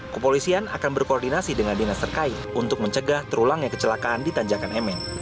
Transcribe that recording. kepolisian akan berkoordinasi dengan dinas terkait untuk mencegah terulangnya kecelakaan di tanjakan mn